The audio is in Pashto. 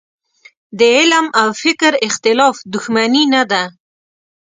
د علم او فکر اختلاف دوښمني نه ده.